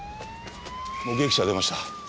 目撃者が出ました。